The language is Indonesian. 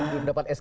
belum dapat sk